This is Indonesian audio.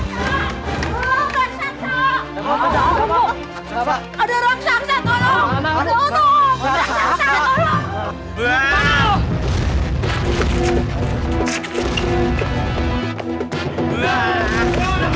mau kemana kamu nenek rpa